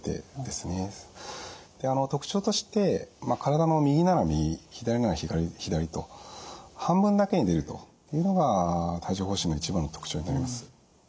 特徴として体の右なら右左なら左と半分だけに出るというのが帯状ほう疹の一番の特徴になります。